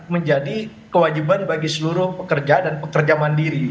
menjadi kewajiban bagi seluruh pekerja dan pekerja mandiri